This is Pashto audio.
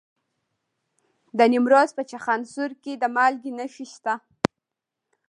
د نیمروز په چخانسور کې د مالګې نښې شته.